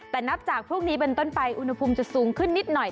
แต่นับจากพรุ่งนี้เป็นต้นไปอุณหภูมิจะสูงขึ้นนิดหน่อย